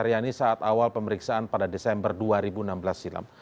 aryani saat awal pemeriksaan pada desember dua ribu enam belas silam